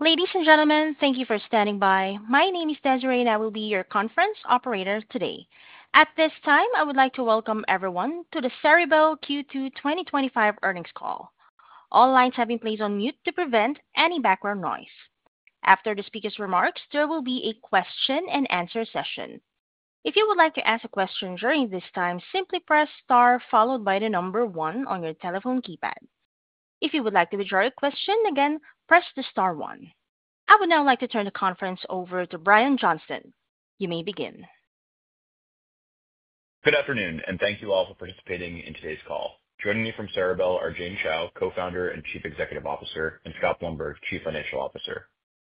Ladies and gentlemen, thank you for standing by. My name is Desiree, and I will be your conference operator today. At this time, I would like to welcome everyone to the Ceribell Q2 2025 earnings call. All lines have been placed on mute to prevent any background noise. After the speaker's remarks, there will be a question and answer session. If you would like to ask a question during this time, simply press star followed by the number one on your telephone keypad. If you would like to withdraw your question, again, press the star one. I would now like to turn the conference over to Brian Johnston. You may begin. Good afternoon, and thank you all for participating in today's call. Joining me from Ceribell are Jane Chao, Co-Founder and Chief Executive Officer, and Scott Blumberg, Chief Financial Officer.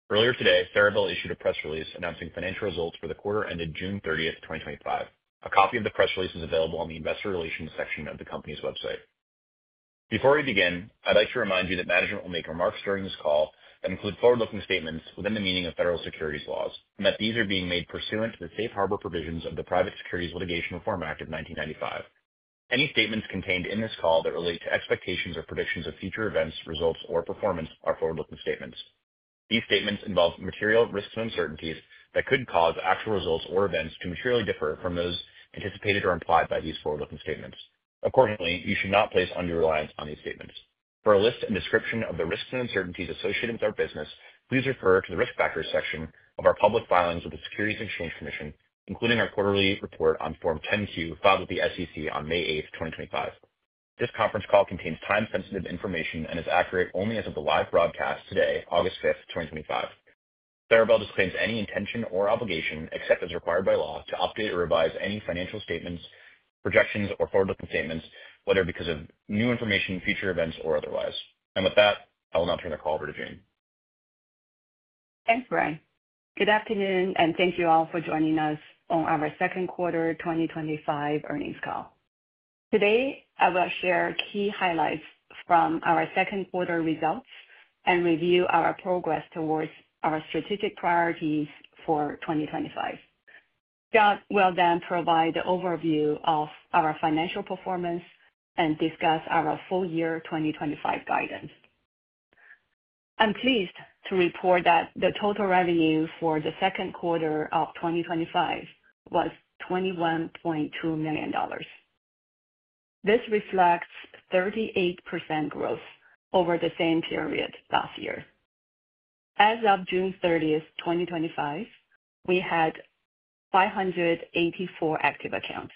Earlier today, Ceribell issued a press release announcing financial results for the quarter ended June 30, 2025. A copy of the press release is available on the Investor Relations section of the company's website. Before we begin, I'd like to remind you that management will make remarks during this call and include forward-looking statements within the meaning of federal securities laws and that these are being made pursuant to the safe harbor provisions of the Private Securities Litigation Reform Act of 1995. Any statements contained in this call that relate to expectations or predictions of future events, results, or performance are forward-looking statements. These statements involve material risks and uncertainties that could cause actual results or events to materially differ from those anticipated or implied by these forward-looking statements. Accordingly, you should not place undue reliance on these statements. For a list and description of the risks and uncertainties associated with our business, please refer to the Risk Factors section of our public filings with the Securities Exchange Commission, including our quarterly report on Form 10-Q filed with the SEC on May 8, 2025. This conference call contains time-sensitive information and is accurate only as of the live broadcast today, August 5, 2025. Ceribell disclaims any intention or obligation, except as required by law, to update or revise any financial statements, projections, or forward-looking statements, whether because of new information, future events, or otherwise. I will now turn the call over to Jane. Thanks, Brian. Good afternoon, and thank you all for joining us on our second quarter 2025 earnings call. Today, I will share key highlights from our second quarter results and review our progress towards our strategic priorities for 2025. Scott will then provide the overview of our financial performance and discuss our full-year 2025 guidance. I'm pleased to report that the total revenue for the second quarter of 2025 was $21.2 million. This reflects 38% growth over the same period last year. As of June 30, 2025, we had 584 active accounts,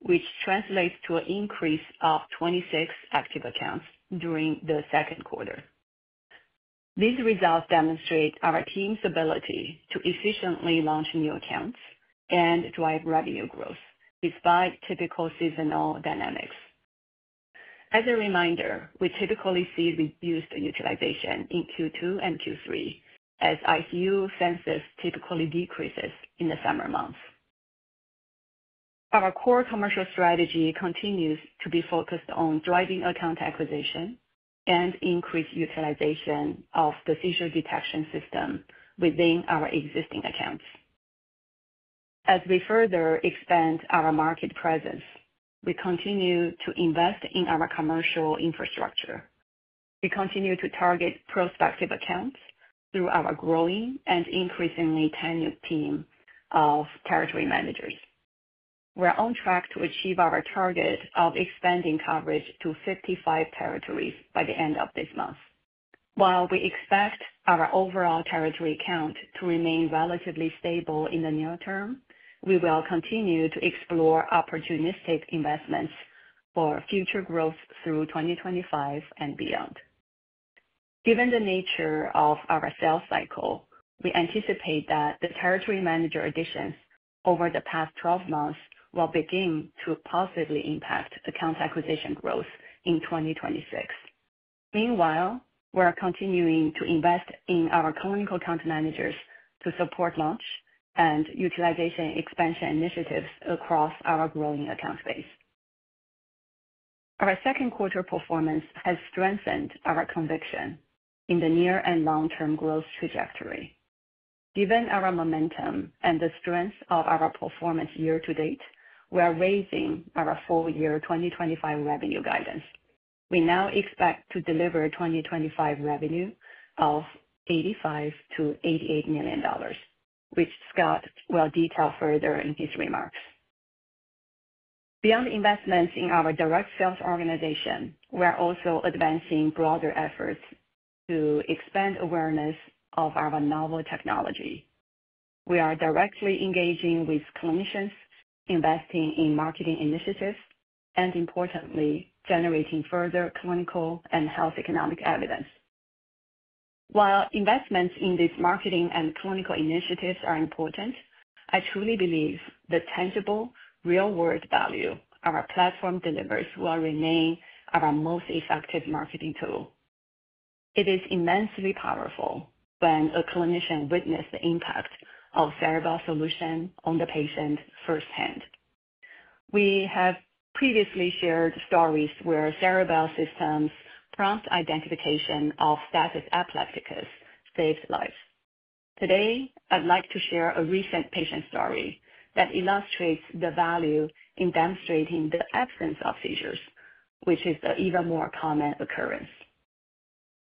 which translates to an increase of 26 active accounts during the second quarter. These results demonstrate our team's ability to efficiently launch new accounts and drive revenue growth despite typical seasonal dynamics. As a reminder, we typically see reduced utilization in Q2 and Q3, as ICU census typically decreases in the summer months. Our core commercial strategy continues to be focused on driving account acquisition and increased utilization of the seizure detection system within our existing accounts. As we further expand our market presence, we continue to invest in our commercial infrastructure. We continue to target prospective accounts through our growing and increasingly tenured team of territory managers. We're on track to achieve our target of expanding coverage to 55 territories by the end of this month. While we expect our overall territory count to remain relatively stable in the near term, we will continue to explore opportunistic investments for future growth through 2025 and beyond. Given the nature of our sales cycle, we anticipate that the territory manager additions over the past 12 months will begin to positively impact account acquisition growth in 2026. Meanwhile, we're continuing to invest in our clinical account managers to support launch and utilization expansion initiatives across our growing account space. Our second quarter performance has strengthened our conviction in the near and long-term growth trajectory. Given our momentum and the strength of our performance year to date, we're raising our full-year 2025 revenue guidance. We now expect to deliver 2025 revenue of $85 million-$88 million, which Scott will detail further in his remarks. Beyond investments in our direct sales organization, we're also advancing broader efforts to expand awareness of our novel technology. We are directly engaging with clinicians, investing in marketing initiatives, and importantly, generating further clinical and health economic evidence. While investments in these marketing and clinical initiatives are important, I truly believe the tangible, real-world value our platform delivers will remain our most effective marketing tool. It is immensely powerful when a clinician witnesses the impact of Ceribell's solution on the patient firsthand. We have previously shared stories where Ceribell systems' prompt identification of status epilepticus saved lives. Today, I'd like to share a recent patient story that illustrates the value in demonstrating the absence of seizures, which is the even more common occurrence.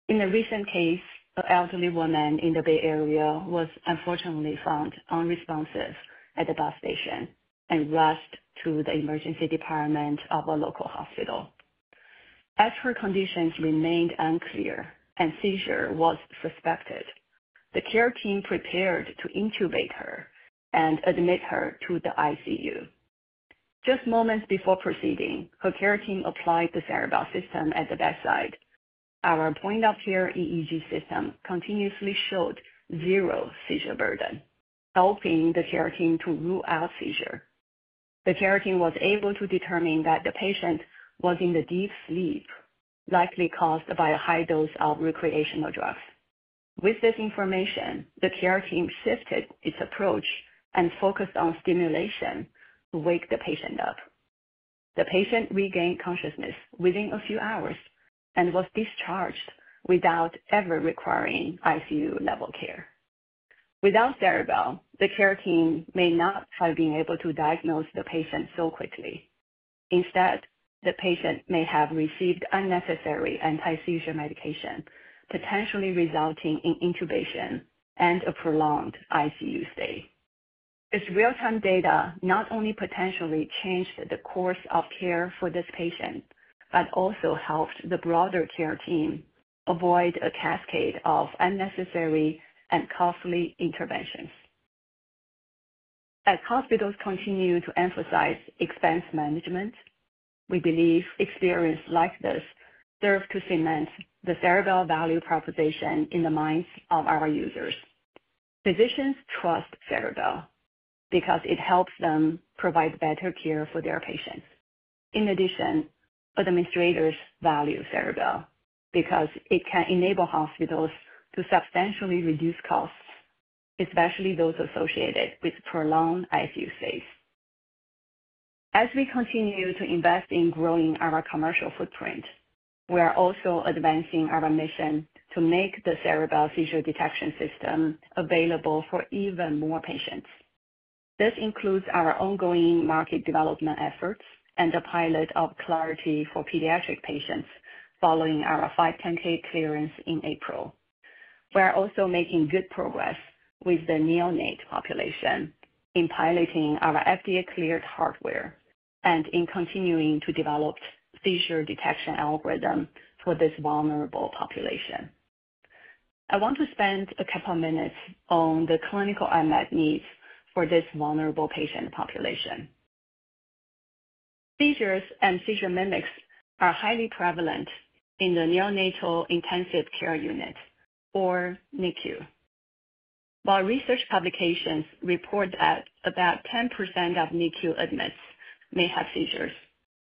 In a recent case, an elderly woman in the Bay Area was unfortunately found unresponsive at the bus station and rushed to the emergency department of a local hospital. As her conditions remained unclear and seizure was suspected, the care team prepared to intubate her and admit her to the ICU. Just moments before proceeding, her care team applied the Ceribell system at the bedside. Our Point-of-Care EEG system continuously showed zero seizure burden, helping the care team to rule out seizure. The care team was able to determine that the patient was in deep sleep, likely caused by a high dose of recreational drugs. With this information, the care team shifted its approach and focused on stimulation to wake the patient up. The patient regained consciousness within a few hours and was discharged without ever requiring ICU-level care. Without Ceribell, the care team may not have been able to diagnose the patient so quickly. Instead, the patient may have received unnecessary anti-seizure medication, potentially resulting in intubation and a prolonged ICU stay. This real-time data not only potentially changed the course of care for this patient, but also helped the broader care team avoid a cascade of unnecessary and costly interventions. As hospitals continue to emphasize expense management, we believe experiences like this serve to cement the Ceribell value proposition in the minds of our users. Physicians trust Ceribell because it helps them provide better care for their patients. In addition, administrators value Ceribell because it can enable hospitals to substantially reduce costs, especially those associated with prolonged ICU stays. As we continue to invest in growing our commercial footprint, we are also advancing our mission to make the Ceribell seizure detection system available for even more patients. This includes our ongoing market development efforts and the pilot of Clarity for pediatric patients following our 510(k) clearance in April. We're also making good progress with the neonate population in piloting our FDA-cleared hardware and in continuing to develop seizure detection algorithms for this vulnerable population. I want to spend a couple of minutes on the clinical unmet needs for this vulnerable patient population. Seizures and seizure mimics are highly prevalent in the Neonatal Intensive Care Unit, or NICU. While research publications report that about 10% of NICU admits may have seizures,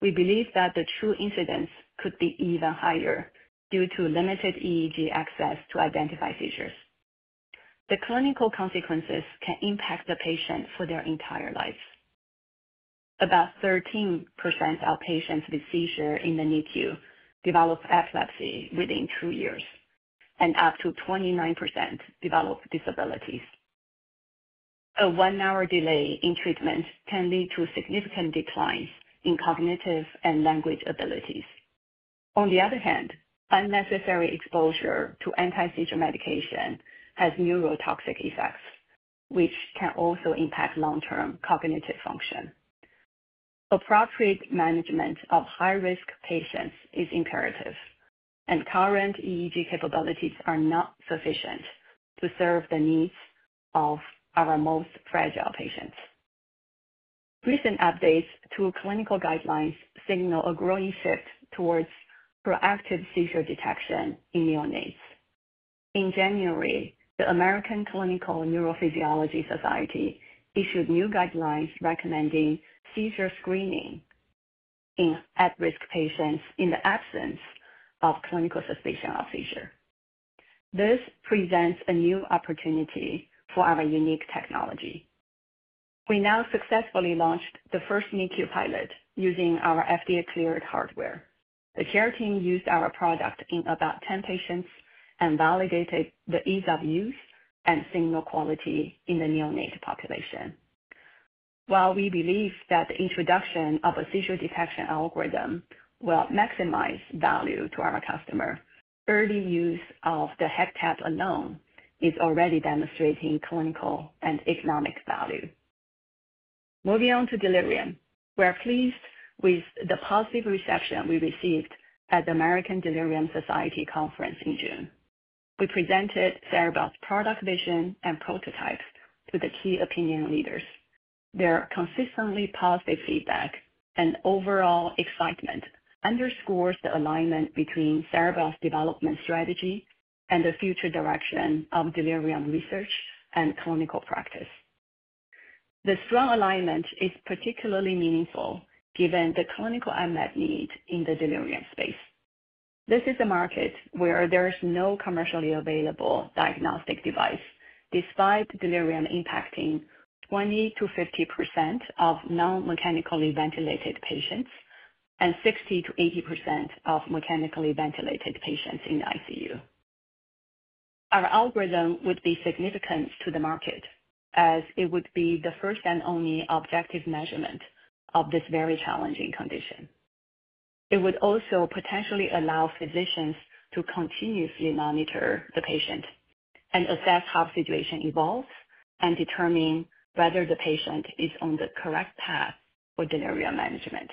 we believe that the true incidence could be even higher due to limited EEG access to identify seizures. The clinical consequences can impact the patient for their entire life. About 13% of patients with seizures in the NICU develop epilepsy within two years, and up to 29% develop disabilities. A one-hour delay in treatment can lead to significant declines in cognitive and language abilities. On the other hand, unnecessary exposure to anti-seizure medication has neurotoxic effects, which can also impact long-term cognitive function. Appropriate management of high-risk patients is imperative, and current EEG capabilities are not sufficient to serve the needs of our most fragile patients. Recent updates to clinical guidelines signal a growing shift towards proactive seizure detection in neonates. In January, the American Clinical Neurophysiology Society issued new guidelines recommending seizure screening in at-risk patients in the absence of clinical suspicion of seizure. This presents a new opportunity for our unique technology. We now successfully launched the first NICU pilot using our FDA-cleared hardware. The care team used our product in about 10 patients and validated the ease of use and signal quality in the neonate population. While we believe that the introduction of a seizure detection algorithm will maximize value to our customers, early use of the HEPTAT alone is already demonstrating clinical and economic value. Moving on to delirium, we're pleased with the positive reception we received at the American Delirium Society Conference in June. We presented Ceribell's product vision and prototypes to the key opinion leaders. Their consistently positive feedback and overall excitement underscore the alignment between Ceribell's development strategy and the future direction of delirium research and clinical practice. This strong alignment is particularly meaningful given the clinical unmet need in the delirium space. This is a market where there is no commercially available diagnostic device, despite delirium impacting 20%-50% of non-mechanically ventilated patients and 60%-80% of mechanically ventilated patients in the ICU. Our algorithm would be significant to the market, as it would be the first and only objective measurement of this very challenging condition. It would also potentially allow physicians to continuously monitor the patient and assess how the situation evolves and determine whether the patient is on the correct path for delirium management.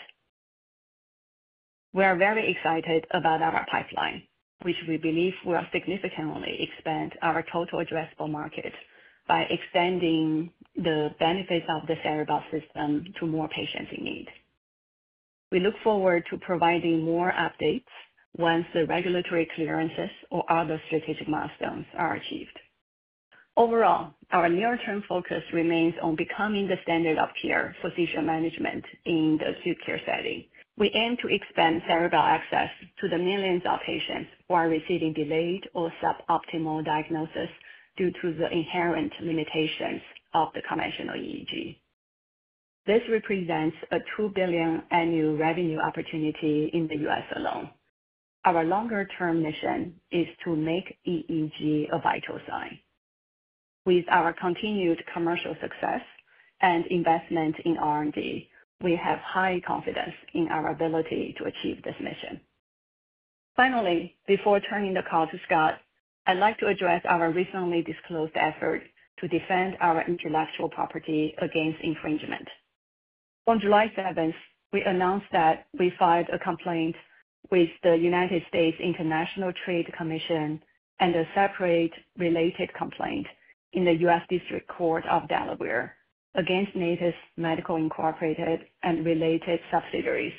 We are very excited about our pipeline, which we believe will significantly expand our total addressable market by extending the benefits of the Ceribell system to more patients in need. We look forward to providing more updates once the regulatory clearances or other strategic milestones are achieved. Overall, our near-term focus remains on becoming the standard of care for seizure management in the acute care setting. We aim to expand Ceribell access to the millions of patients who are receiving delayed or suboptimal diagnoses due to the inherent limitations of the conventional EEG. This represents a $2 billion annual revenue opportunity in the U.S. alone. Our longer-term mission is to make EEG a vital sign. With our continued commercial success and investment in R&D, we have high confidence in our ability to achieve this mission. Finally, before turning the call to Scott, I'd like to address our recently disclosed effort to defend our intellectual property against infringement. On July 7th, we announced that we filed a complaint with the United States International Trade Commission and a separate related complaint in the U.S. District Court of Delaware against Natus Medical Incorporated and related subsidiaries.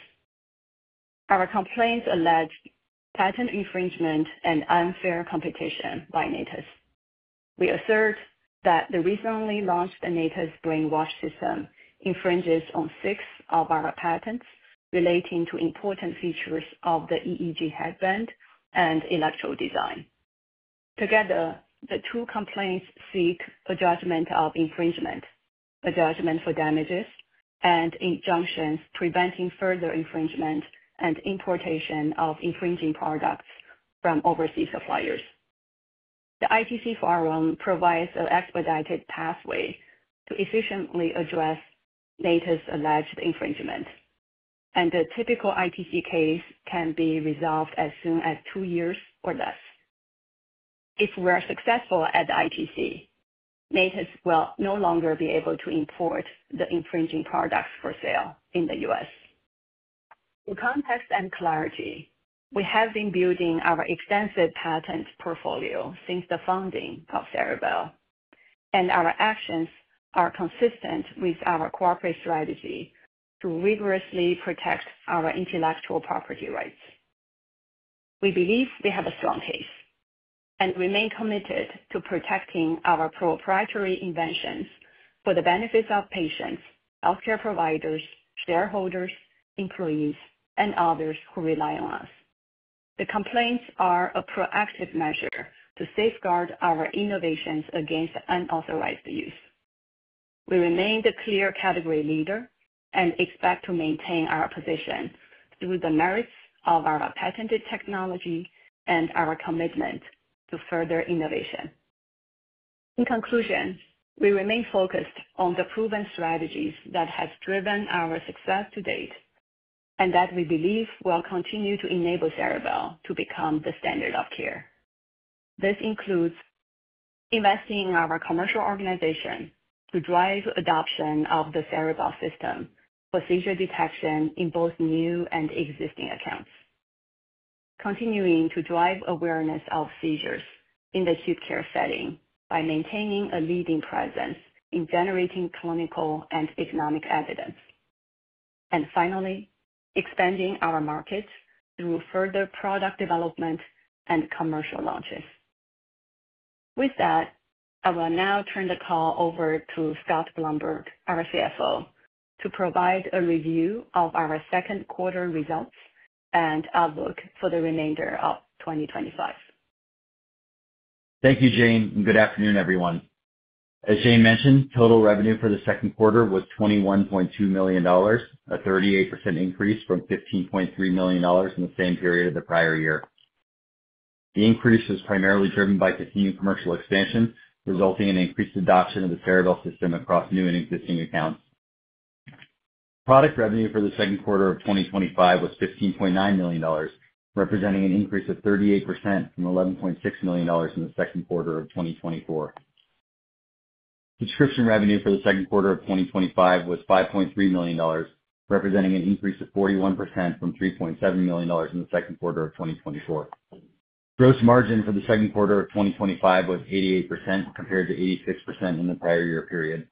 Our complaints alleged patent infringement and unfair competition by Natus. We assert that the recently launched Natus BrainWatch system infringes on six of our patents relating to important features of the EEG headband and electrode design. Together, the two complaints seek a judgment of infringement, a judgment for damages, and injunctions preventing further infringement and importation of infringing products from overseas suppliers. The ITC forum provides an expedited pathway to efficiently address Natus Medical Incorporated alleged infringement, and the typical ITC case can be resolved as soon as two years or less. If we are successful at the ITC, Natus Medical Incorporated will no longer be able to import the infringing products for sale in the U.S. For context and clarity, we have been building our extensive patent portfolio since the founding of Ceribell, and our actions are consistent with our corporate strategy to rigorously protect our intellectual property rights. We believe we have a strong case and remain committed to protecting our proprietary inventions for the benefit of patients, health care providers, shareholders, employees, and others who rely on us. The complaints are a proactive measure to safeguard our innovations against unauthorized use. We remain the clear category leader and expect to maintain our position through the merits of our patented technology and our commitment to further innovation. In conclusion, we remain focused on the proven strategies that have driven our success to date and that we believe will continue to enable Ceribell to become the standard of care. This includes investing in our commercial organization to drive adoption of the Ceribell system for seizure detection in both new and existing accounts, continuing to drive awareness of seizures in the acute care setting by maintaining a leading presence in generating clinical and economic evidence, and finally, expanding our markets through further product development and commercial launches. With that, I will now turn the call over to Scott Blumberg, our CFO, to provide a review of our second quarter results and outlook for the remainder of 2025. Thank you, Jane, and good afternoon, everyone. As Jane mentioned, total revenue for the second quarter was $21.2 million, a 38% increase from $15.3 million in the same period of the prior year. The increase was primarily driven by continued commercial expansion, resulting in increased adoption of the Ceribell system across new and existing accounts. Product revenue for the second quarter of 2025 was $15.9 million, representing an increase of 38% from $11.6 million in the second quarter of 2024. Subscription revenue for the second quarter of 2025 was $5.3 million, representing an increase of 41% from $3.7 million in the second quarter of 2024. Gross margin for the second quarter of 2025 was 88% compared to 86% in the prior year period.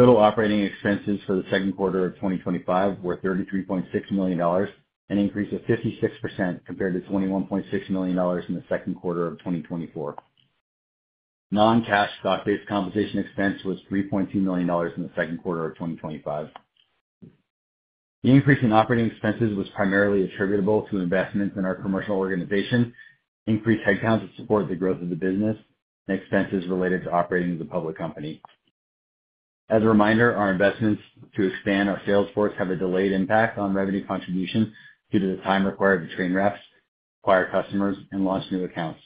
Total operating expenses for the second quarter of 2025 were $33.6 million, an increase of 56% compared to $21.6 million in the second quarter of 2024. Non-cash stock-based compensation expense was $3.2 million in the second quarter of 2025. The increase in operating expenses was primarily attributable to investments in our commercial organization, increased headcount to support the growth of the business, and expenses related to operating as a public company. As a reminder, our investments to expand our sales force have a delayed impact on revenue contribution due to the time required to train reps, acquire customers, and launch new accounts.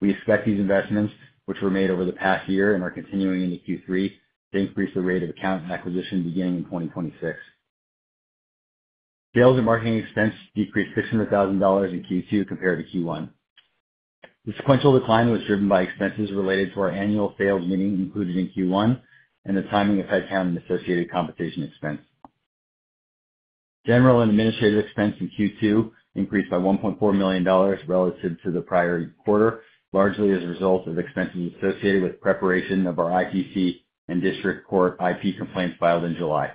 We expect these investments, which were made over the past year and are continuing into Q3, to increase the rate of account acquisition beginning in 2026. Sales and marketing expense decreased $500,000 in Q2 compared to Q1. The sequential decline was driven by expenses related to our annual sales meeting included in Q1 and the timing of headcount and associated compensation expense. General and administrative expense in Q2 increased by $1.4 million relative to the prior quarter, largely as a result of expenses associated with preparation of our ITC and District Court IP complaints filed in July.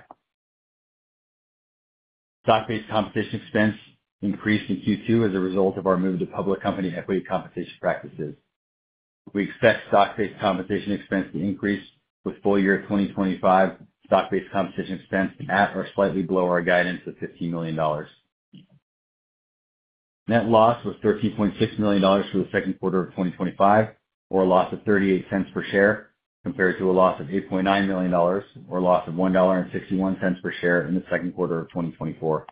Stock-based compensation expense increased in Q2 as a result of our move to public company equity compensation practices. We expect stock-based compensation expense to increase with full-year 2025 stock-based compensation expense at or slightly below our guidance of $15 million. Net loss was $13.6 million for the second quarter of 2025, or a loss of $0.38 per share compared to a loss of $8.9 million, or a loss of $1.61 per share in the second quarter of 2024.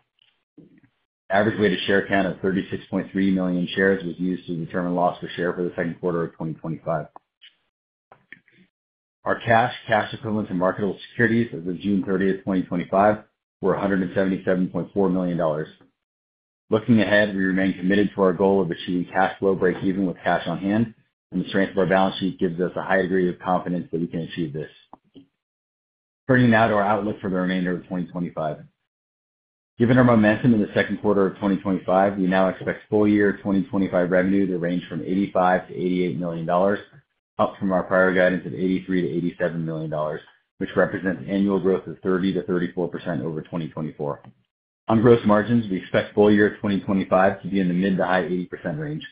Average weighted share count of 36.3 million shares was used to determine loss per share for the second quarter of 2025. Our cash, cash equivalents, and marketable securities as of June 30, 2025, were $177.4 million. Looking ahead, we remain committed to our goal of achieving cash flow breakeven with cash on hand, and the strength of our balance sheet gives us a high degree of confidence that we can achieve this. Turning now to our outlook for the remainder of 2025. Given our momentum in the second quarter of 2025, we now expect full-year 2025 revenue to range from $85 million-$88 million, up from our prior guidance of $83 million-$87 million, which represents annual growth of 30%-34% over 2024. On gross margins, we expect full-year 2025 to be in the mid to high 80% range.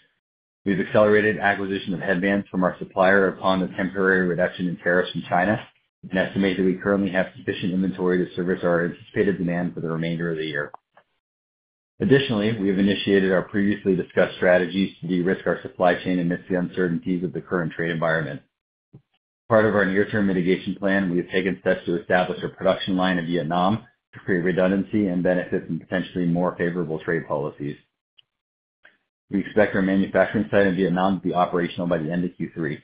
We've accelerated acquisition of headbands from our supplier upon the temporary reduction in tariffs from China and estimate that we currently have sufficient inventory to service our anticipated demand for the remainder of the year. Additionally, we have initiated our previously discussed strategies to de-risk our supply chain amidst the uncertainties of the current trade environment. As part of our near-term mitigation plan, we have taken steps to establish a production line in Vietnam to create redundancy and benefit from potentially more favorable trade policies. We expect our manufacturing site in Vietnam to be operational by the end of Q3.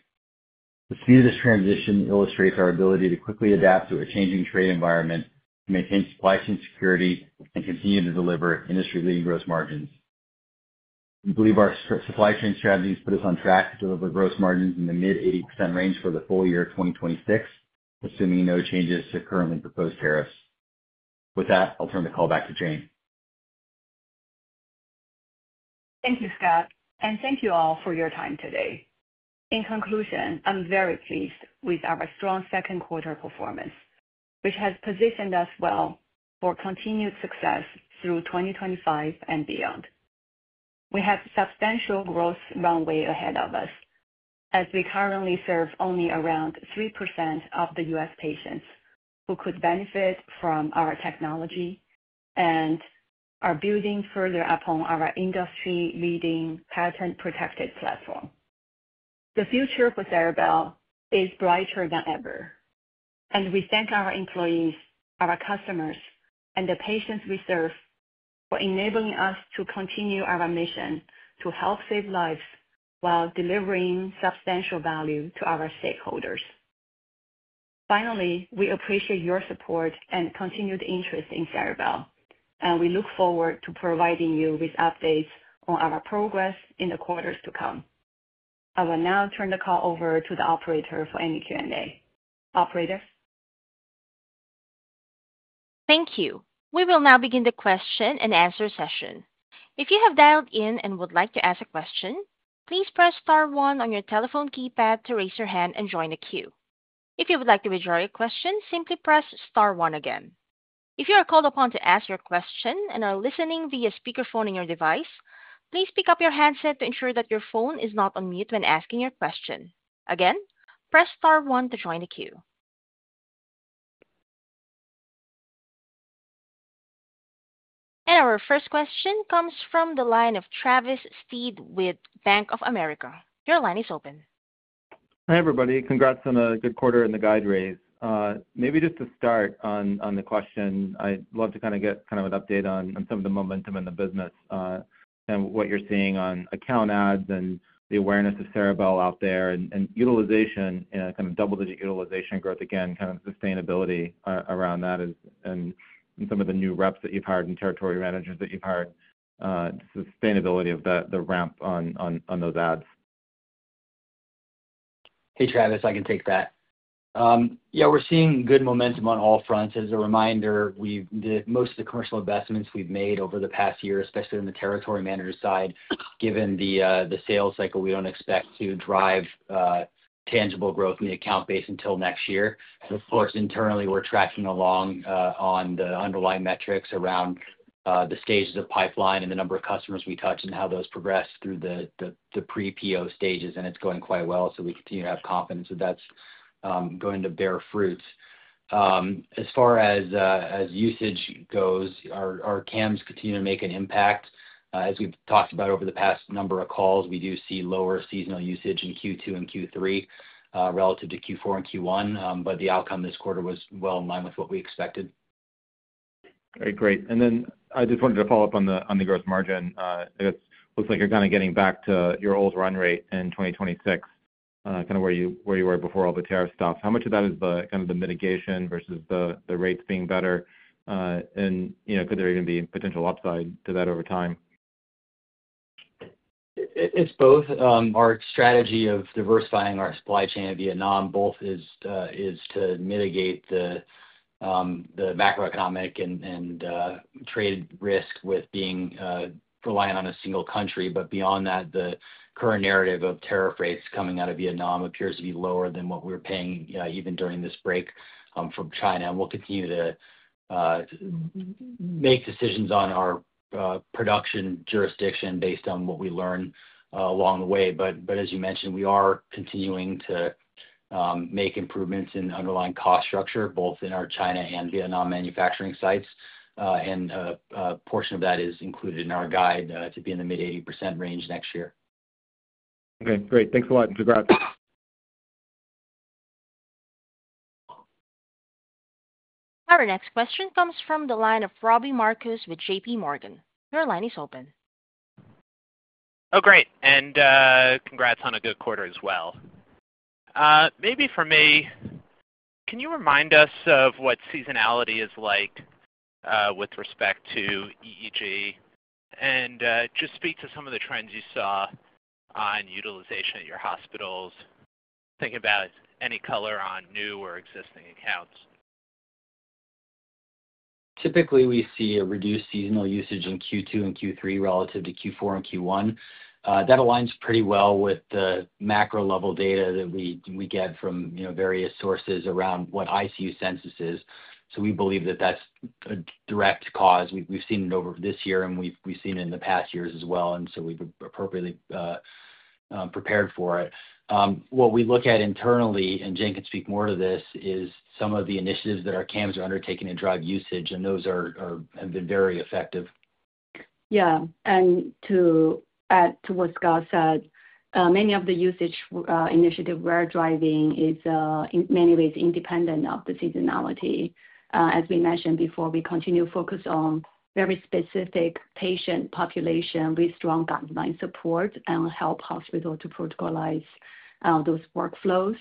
The speed of this transition illustrates our ability to quickly adapt to a changing trade environment, maintain supply chain security, and continue to deliver industry-leading gross margins. We believe our supply chain strategies put us on track to deliver gross margins in the mid 80% range for the full year of 2026, assuming no changes to currently proposed tariffs. With that, I'll turn the call back to Jane. Thank you, Scott, and thank you all for your time today. In conclusion, I'm very pleased with our strong second quarter performance, which has positioned us well for continued success through 2025 and beyond. We have substantial growth runway ahead of us, as we currently serve only around 3% of the U.S. patients who could benefit from our technology and are building further upon our industry-leading patent-protected platform. The future for Ceribell is brighter than ever, and we thank our employees, our customers, and the patients we serve for enabling us to continue our mission to help save lives while delivering substantial value to our stakeholders. Finally, we appreciate your support and continued interest in Ceribell, and we look forward to providing you with updates on our progress in the quarters to come. I will now turn the call over to the operator for any Q&A. Operator? Thank you. We will now begin the question and answer session. If you have dialed in and would like to ask a question, please press star one on your telephone keypad to raise your hand and join the queue. If you would like to withdraw your question, simply press star one again. If you are called upon to ask your question and are listening via speakerphone in your device, please pick up your headset to ensure that your phone is not on mute when asking your question. Again, press star one to join the queue. Our first question comes from the line of Travis Steed with Bank of America. Your line is open. Hi, everybody. Congrats on a good quarter in the guide raise. Maybe just to start on the question, I'd love to get an update on some of the momentum in the business and what you're seeing on account ads and the awareness of Ceribell out there and utilization and double-digit utilization growth, again, sustainability around that and some of the new reps that you've hired and territory managers that you've hired, sustainability of the ramp on those ads. Hey, Travis, I can take that. Yeah, we're seeing good momentum on all fronts. As a reminder, most of the commercial investments we've made over the past year, especially on the territory manager side, given the sales cycle, we don't expect to drive tangible growth in the account base until next year. Of course, internally, we're tracking along on the underlying metrics around the stages of pipeline and the number of customers we touch and how those progress through the pre-PO stages, and it's going quite well. We continue to have confidence that that's going to bear fruit. As far as usage goes, our clinical account managers continue to make an impact. As we've talked about over the past number of calls, we do see lower seasonal usage in Q2 and Q3 relative to Q4 and Q1, but the outcome this quarter was well in line with what we expected. All right, great. I just wanted to follow up on the gross margin. It looks like you're kind of getting back to your old run rate in 2026, kind of where you were before all the tariff stuff. How much of that is the mitigation versus the rates being better? Could there even be potential upside to that over time? It's both. Our strategy of diversifying our supply chain in Vietnam is to mitigate the macroeconomic and trade risk with relying on a single country. Beyond that, the current narrative of tariff rates coming out of Vietnam appears to be lower than what we're paying even during this break from China. We'll continue to make decisions on our production jurisdiction based on what we learn along the way. As you mentioned, we are continuing to make improvements in underlying cost structure, both in our China and Vietnam manufacturing sites. A portion of that is included in our guide to be in the mid 80% range next year. Okay, great. Thanks a lot. Congrats. Our next question comes from the line of Robbie Marcus with JP Morgan. Your line is open. Oh, great. Congrats on a good quarter as well. Maybe for me, can you remind us of what seasonality is like with respect to EEG and just speak to some of the trends you saw on utilization at your hospitals? Think about any color on new or existing accounts. Typically, we see a reduced seasonal usage in Q2 and Q3 relative to Q4 and Q1. That aligns pretty well with the macro-level data that we get from various sources around what ICU census is. We believe that that's a direct cause. We've seen it over this year, and we've seen it in the past years as well. We've appropriately prepared for it. What we look at internally, and Jane can speak more to this, is some of the initiatives that our clinical account managers are undertaking to drive usage, and those have been very effective. To add to what Scott said, many of the usage initiatives we're driving are in many ways independent of the seasonality. As we mentioned before, we continue to focus on very specific patient populations with strong guideline support and help hospitals to protocolize those workflows.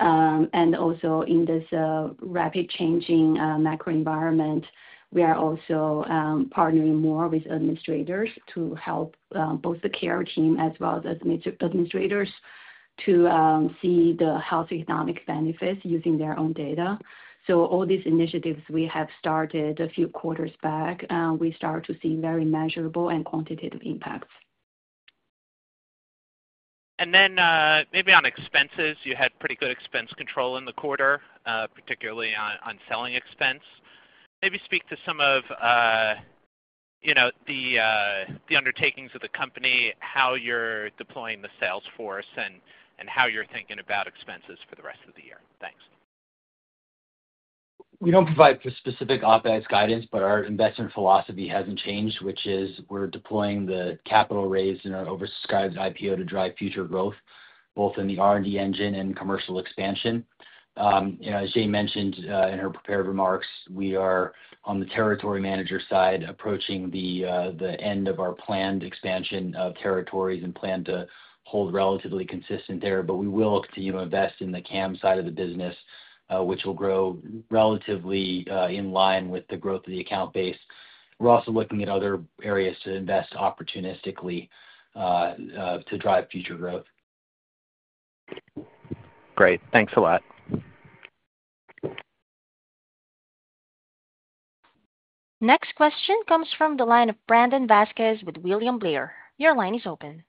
In this rapidly changing macro environment, we are also partnering more with administrators to help both the care team as well as administrators to see the health economic benefits using their own data. All these initiatives we have started a few quarters back, and we started to see very measurable and quantitative impacts. You had pretty good expense control in the quarter, particularly on selling expense. Maybe speak to some of the undertakings of the company, how you're deploying the sales force, and how you're thinking about expenses for the rest of the year. Thanks. We don't provide specific OpEx guidance, but our investment philosophy hasn't changed, which is we're deploying the capital raised in our oversubscribed IPO to drive future growth, both in the R&D engine and commercial expansion. As Jane mentioned in her prepared remarks, we are on the territory manager side approaching the end of our planned expansion of territories and plan to hold relatively consistent there. We will continue to invest in the clinical account manager side of the business, which will grow relatively in line with the growth of the account base. We're also looking at other areas to invest opportunistically to drive future growth. Great, thanks a lot. Next question comes from the line of Brandon Vazquez with William Blair. Your line is open.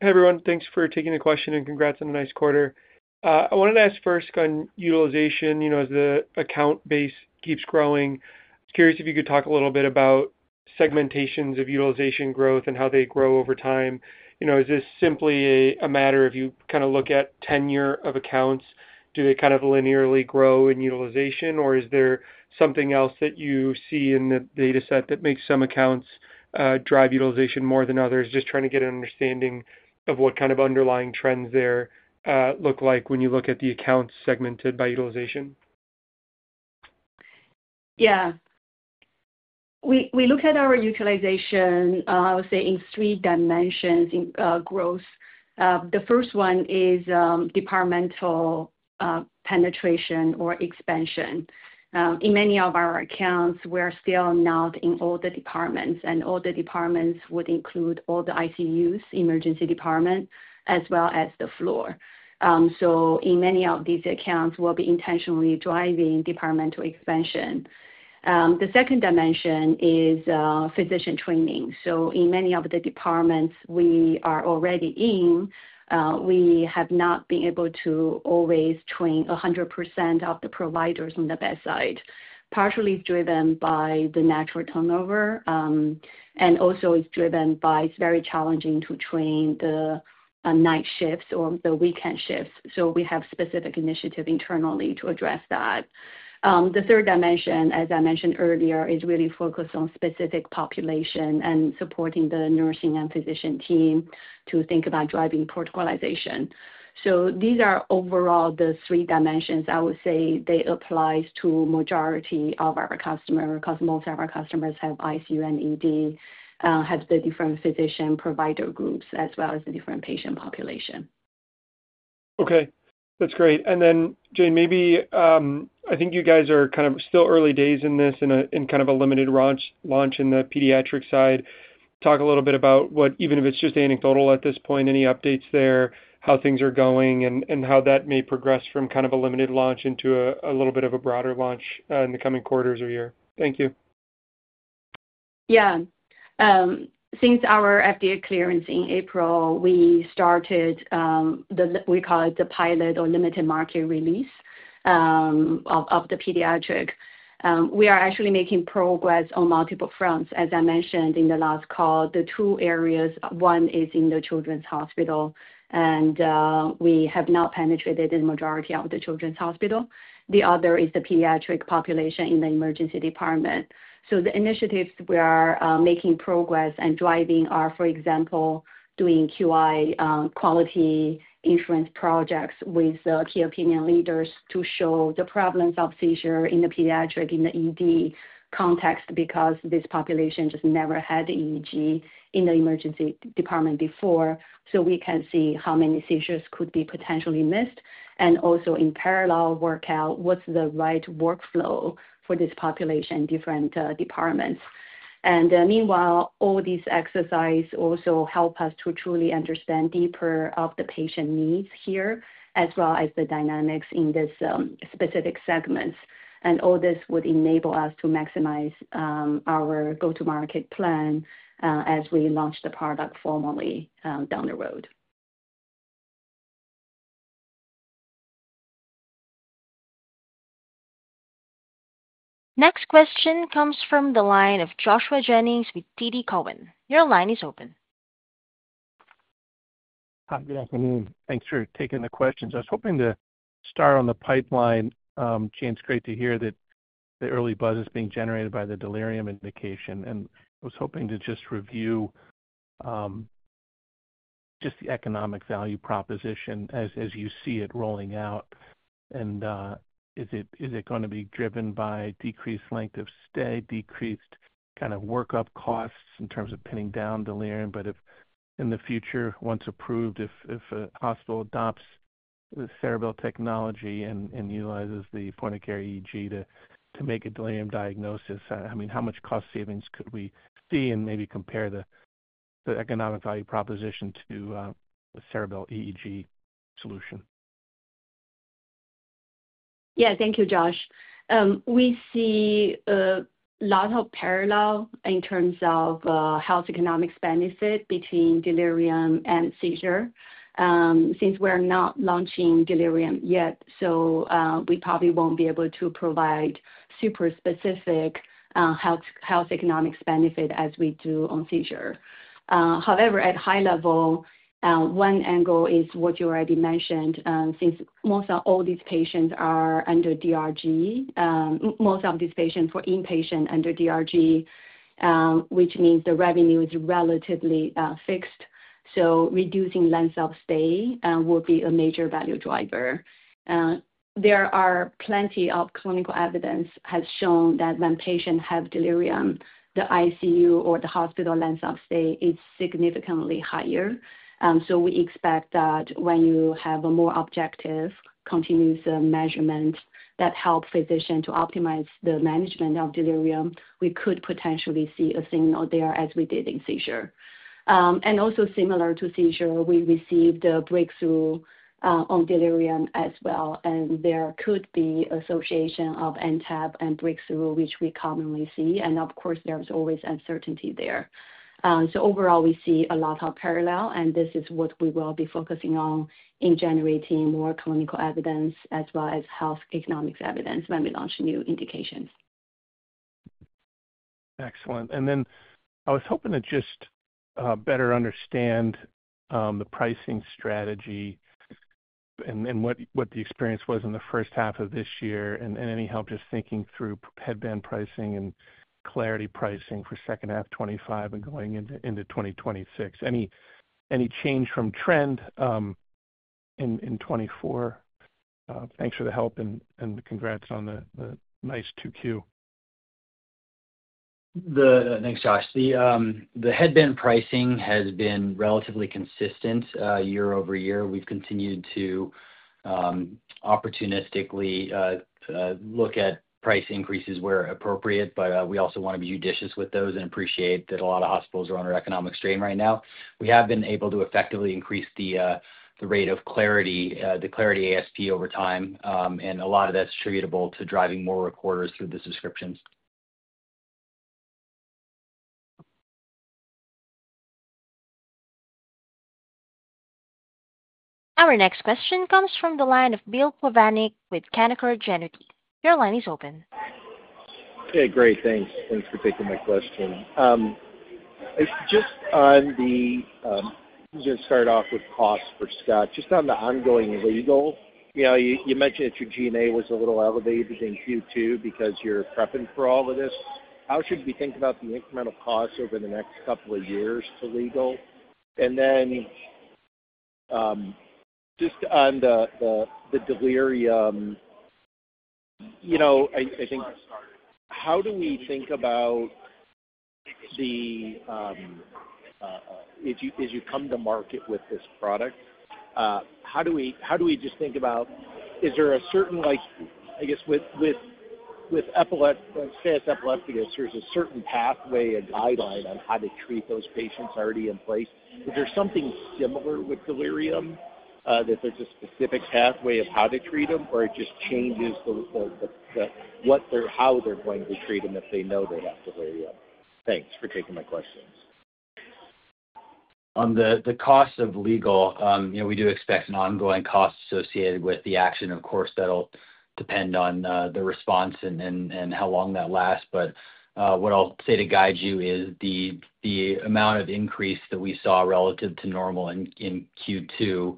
Hey, everyone. Thanks for taking the question and congrats on a nice quarter. I wanted to ask first on utilization. As the account base keeps growing, I'm curious if you could talk a little bit about segmentations of utilization growth and how they grow over time. Is this simply a matter of you kind of look at tenure of accounts? Do they kind of linearly grow in utilization, or is there something else that you see in the data set that makes some accounts drive utilization more than others? Just trying to get an understanding of what kind of underlying trends there look like when you look at the accounts segmented by utilization. Yeah. We look at our utilization, I would say, in three dimensions in growth. The first one is departmental penetration or expansion. In many of our accounts, we are still not in all the departments, and all the departments would include all the ICUs, emergency departments, as well as the floor. In many of these accounts, we'll be intentionally driving departmental expansion. The second dimension is physician training. In many of the departments we are already in, we have not been able to always train 100% of the providers on the bedside. Partially, it's driven by the natural turnover, and also, it's driven by it's very challenging to train the night shifts or the weekend shifts. We have specific initiatives internally to address that. The third dimension, as I mentioned earlier, is really focused on specific populations and supporting the nursing and physician team to think about driving protocolization. These are overall the three dimensions. I would say they apply to the majority of our customers because most of our customers have ICU and ED, and have the different physician provider groups, as well as the different patient populations. Okay. That's great. Jane, maybe I think you guys are kind of still early days in this and kind of a limited launch in the pediatric side. Talk a little bit about what, even if it's just anecdotal at this point, any updates there, how things are going, and how that may progress from kind of a limited launch into a little bit of a broader launch in the coming quarters or year. Thank you. Yeah. Since our FDA clearance in April, we started the, we call it the pilot or limited market release of the pediatric. We are actually making progress on multiple fronts. As I mentioned in the last call, the two areas, one is in the children's hospital, and we have not penetrated the majority of the children's hospital. The other is the pediatric population in the emergency department. The initiatives we are making progress and driving are, for example, doing QI quality insurance projects with the key opinion leaders to show the prevalence of seizures in the pediatric, in the ED context because this population just never had EEG in the emergency department before. We can see how many seizures could be potentially missed and also in parallel work out what's the right workflow for this population in different departments. Meanwhile, all these exercises also help us to truly understand deeper of the patient needs here, as well as the dynamics in these specific segments. All this would enable us to maximize our go-to-market plan as we launch the product formally down the road. Next question comes from the line of Joshua Jennings with TD Cowen. Your line is open. Hi, good afternoon. Thanks for taking the questions. I was hoping to start on the pipeline. Jane, it's great to hear that the early buzz is being generated by the delirium indication. I was hoping to just review the economic value proposition as you see it rolling out. Is it going to be driven by decreased length of stay, decreased kind of workup costs in terms of pinning down delirium? If in the future, once approved, if a hospital adopts the Ceribell technology and utilizes the Point-of-Care EEG to make a delirium diagnosis, how much cost savings could we see and maybe compare the economic value proposition to the Ceribell EEG solution? Yeah, thank you, Josh. We see a lot of parallels in terms of health economic benefit between delirium and seizure. Since we're not launching delirium yet, we probably won't be able to provide super specific health economic benefits as we do on seizure. However, at a high level, one angle is what you already mentioned. Since most of all these patients are under DRG, most of these patients were inpatient under DRG, which means the revenue is relatively fixed. Reducing lengths of stay will be a major value driver. There are plenty of clinical evidence that has shown that when patients have delirium, the ICU or the hospital length of stay is significantly higher. We expect that when you have a more objective continuous measurement that helps physicians to optimize the management of delirium, we could potentially see a signal there as we did in seizure. Also, similar to seizure, we received a breakthrough on delirium as well, and there could be an association of NTAP and breakthrough, which we commonly see. Of course, there's always uncertainty there. Overall, we see a lot of parallels, and this is what we will be focusing on in generating more clinical evidence as well as health economic evidence when we launch new indications. Excellent. I was hoping to just better understand the pricing strategy and what the experience was in the first half of this year, and any help just thinking through headband pricing and Clarity algorithm pricing for the second half of 2025 and going into 2026. Any change from trend in 2024? Thanks for the help and congrats on the nice 2Q. Thanks, Josh. The headband pricing has been relatively consistent year over year. We've continued to opportunistically look at price increases where appropriate, but we also want to be judicious with those and appreciate that a lot of hospitals are under economic strain right now. We have been able to effectively increase the rate of Clarity, the Clarity AST over time, and a lot of that's attributable to driving more recorders through the subscriptions. Our next question comes from the line of Bill Plovanic with Canaccord Genuity. Your line is open. Okay, great. Thanks. Thanks for taking my question. Just on the, I'm going to start off with costs for Scott. Just on the ongoing legal, you mentioned that your G&A was a little elevated in Q2 because you're prepping for all of this. How should we think about the incremental costs over the next couple of years to legal? Just on the delirium, I think how do we think about the, as you come to market with this product, how do we just think about, is there a certain, like, I guess, with epilepsy, let's say it's epileptic, is there a certain pathway, a guideline on how to treat those patients already in place? Is there something similar with delirium? Is there just a specific pathway of how to treat them, or it just changes what they're, how they're going to be treated if they know they have delirium? Thanks for taking my questions. On the cost of legal, we do expect an ongoing cost associated with the action. Of course, that'll depend on the response and how long that lasts. What I'll say to guide you is the amount of increase that we saw relative to normal in Q2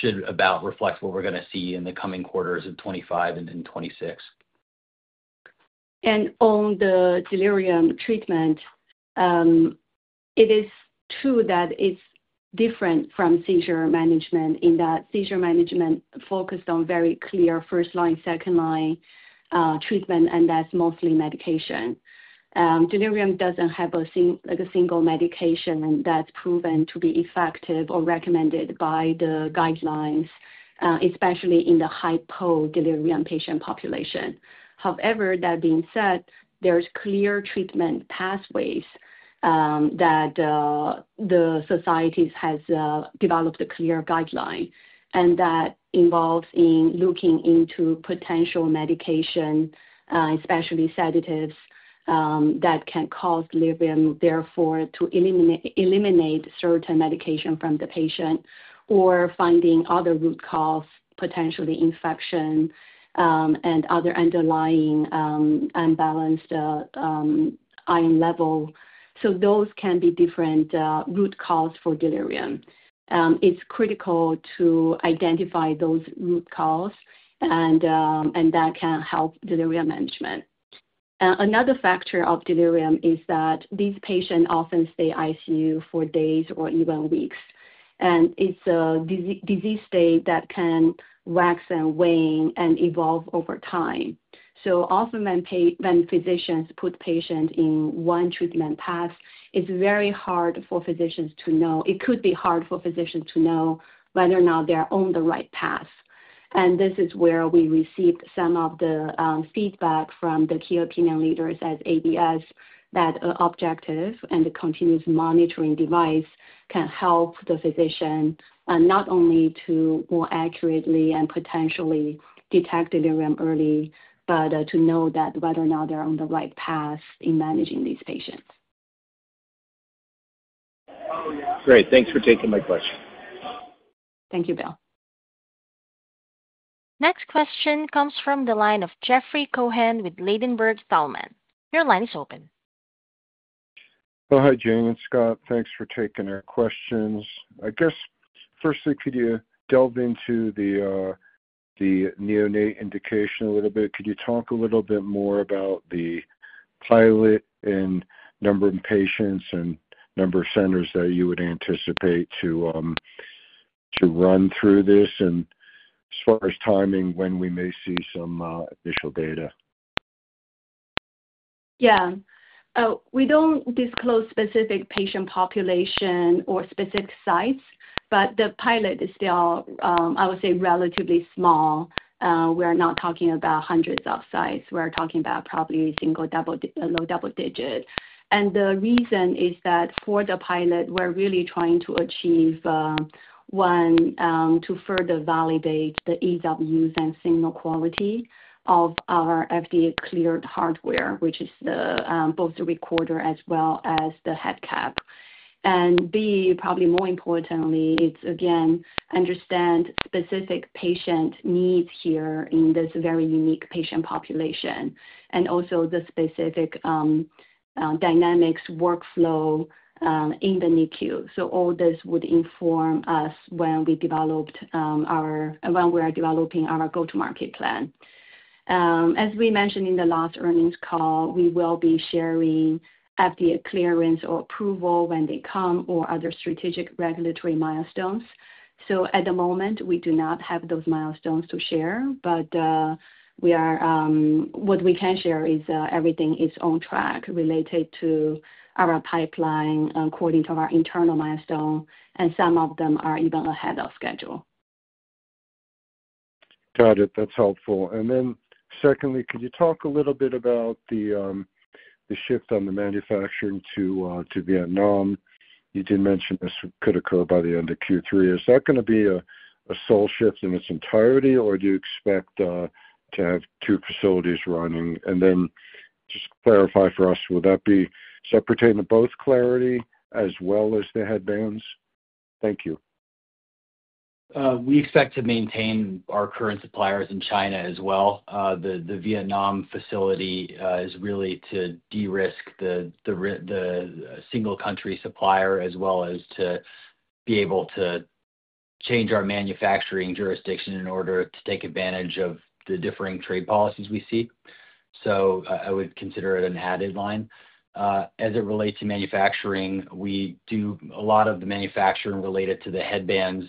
should about reflect what we're going to see in the coming quarters of 2025 and in 2026. On the delirium treatment, it is true that it's different from seizure management in that seizure management focused on very clear first line, second line treatment, and that's mostly medication. Delirium doesn't have a single medication, and that's proven to be effective or recommended by the guidelines, especially in the hypodelirium patient population. However, that being said, there are clear treatment pathways that the societies have developed, a clear guideline, and that involves looking into potential medication, especially sedatives, that can cause delirium, therefore to eliminate certain medications from the patient or finding other root causes, potentially infection and other underlying unbalanced iron levels. Those can be different root causes for delirium. It's critical to identify those root causes, and that can help delirium management. Another factor of delirium is that these patients often stay in ICU for days or even weeks, and it's a disease state that can wax and wane and evolve over time. Often when physicians put patients in one treatment path, it's very hard for physicians to know. It could be hard for physicians to know whether or not they're on the right path. This is where we received some of the feedback from the key opinion leaders at ABS that an objective and continuous monitoring device can help the physician not only to more accurately and potentially detect delirium early, but to know whether or not they're on the right path in managing these patients. Great. Thanks for taking my question. Thank you, Bill. Next question comes from the line of Jeffrey Cohen with Ladenburg Thalmann. Your line is open. Hi, Jane and Scott. Thanks for taking our questions. I guess firstly, could you delve into the neonate indication a little bit? Could you talk a little bit more about the pilot and number of patients and number of centers that you would anticipate to run through this? As far as timing, when we may see some initial data. Yeah. We don't disclose specific patient populations or specific sites, but the pilot is still, I would say, relatively small. We are not talking about hundreds of sites. We're talking about probably single, low double digits. The reason is that for the pilot, we're really trying to achieve, one, to further validate the ease of use and signal quality of our FDA-cleared hardware, which is both the recorder as well as the headcap. Probably more importantly, it's, again, understanding specific patient needs here in this very unique patient population and also the specific dynamics and workflow in the NICU. All this would inform us when we are developing our go-to-market plan. As we mentioned in the last earnings call, we will be sharing FDA clearance or approval when they come or other strategic regulatory milestones. At the moment, we do not have those milestones to share, but what we can share is everything is on track related to our pipeline according to our internal milestones, and some of them are even ahead of schedule. Got it. That's helpful. Could you talk a little bit about the shift on the manufacturing to Vietnam? You did mention this could occur by the end of Q3. Is that going to be a sole shift in its entirety, or do you expect to have two facilities running? Just clarify for us, would that be separate to both Clarity as well as the headbands? Thank you. We expect to maintain our current supplier in China as well. The Vietnam facility is really to de-risk the single country supplier as well as to be able to change our manufacturing jurisdiction in order to take advantage of the differing trade policies we see. I would consider it an added line. As it relates to manufacturing, we do a lot of the manufacturing related to the headbands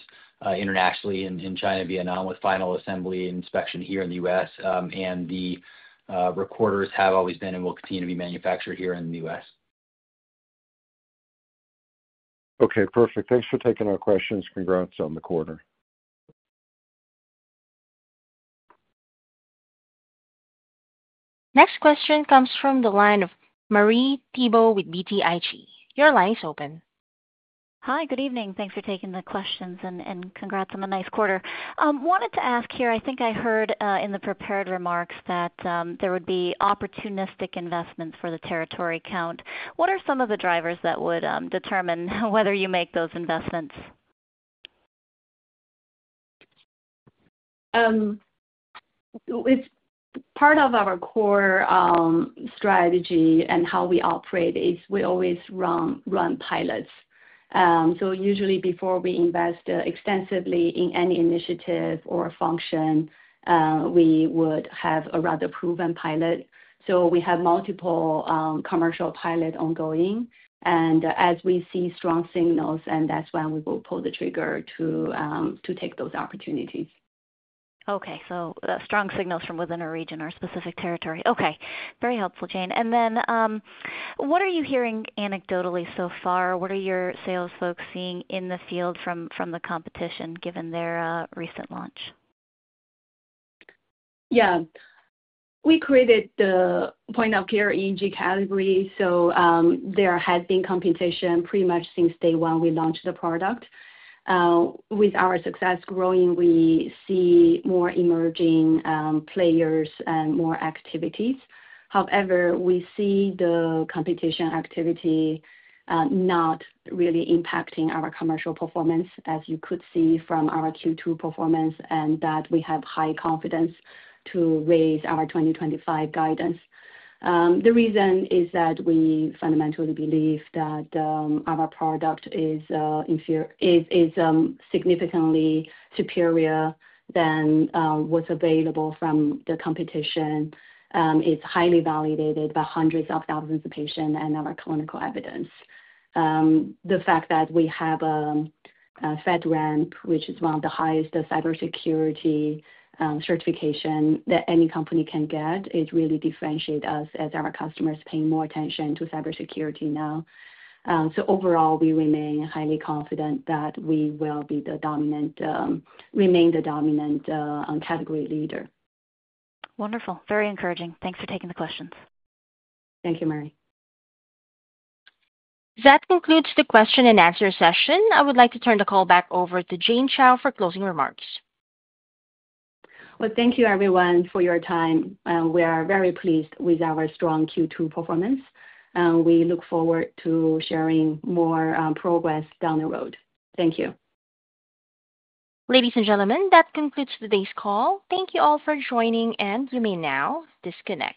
internationally in China and Vietnam, with final assembly and inspection here in the U.S. The recorders have always been and will continue to be manufactured here in the U.S. Okay, perfect. Thanks for taking our questions. Congrats on the quarter. Next question comes from the line of Marie Thibault with BTIG. Your line is open. Hi, good evening. Thanks for taking the questions and congrats on the nice quarter. I wanted to ask here, I think I heard in the prepared remarks that there would be opportunistic investments for the territory account. What are some of the drivers that would determine whether you make those investments? It's part of our core strategy and how we operate is we always run pilots. Usually, before we invest extensively in any initiative or function, we would have a rather proven pilot. We have multiple commercial pilots ongoing. As we see strong signals, that's when we will pull the trigger to take those opportunities. Strong signals from within a region or specific territory. Okay, very helpful, Jane. What are you hearing anecdotally so far? What are your sales folks seeing in the field from the competition given their recent launch? Yeah. We created the Point-of-Care EEG category. There had been competition pretty much since day one we launched the product. With our success growing, we see more emerging players and more activities. However, we see the competition activity not really impacting our commercial performance, as you could see from our Q2 performance, and that we have high confidence to raise our 2025 guidance. The reason is that we fundamentally believe that our product is significantly superior than what's available from the competition. It's highly validated by hundreds of thousands of patients and our clinical evidence. The fact that we have a FedRAMP, which is one of the highest cybersecurity certifications that any company can get, really differentiates us as our customers paying more attention to cybersecurity now. Overall, we remain highly confident that we will be the dominant category leader. Wonderful. Very encouraging. Thanks for taking the questions. Thank you, Marie. That concludes the question and answer session. I would like to turn the call back over to Jane Chao for closing remarks. Thank you, everyone, for your time. We are very pleased with our strong Q2 performance and look forward to sharing more progress down the road. Thank you. Ladies and gentlemen, that concludes today's call. Thank you all for joining, and you may now disconnect.